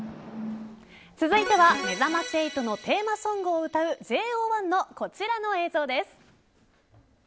続いてはめざまし８のテーマソングを歌うＪＯ１のこちらの映像です。